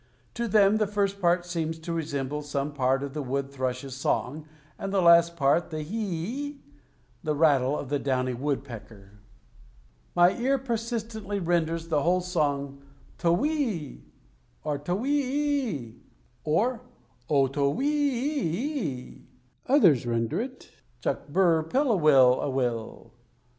To them the first part seems to resemble some part of the wood thrush's song and the last part the he e e e the rattle of downy woodpecker. My ear persistently renders the whole song, towhee e e e, or towhe hee e e e e, or O towhe he e e e e e. Others render it chuck burr pilla will a will.